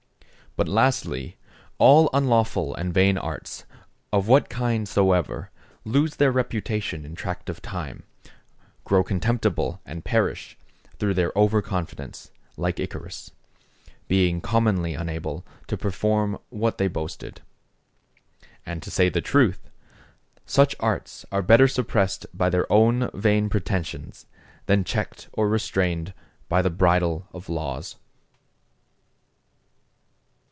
But lastly, all unlawful and vain arts, of what kind soever, lose their reputation in tract of time; grow contemptible and perish, through their overconfidence, like Icarus; being commonly unable to perform what they boasted. And to say the truth, such arts are better suppressed by their own vain pretensions, than checked or restrained by the bridle of laws.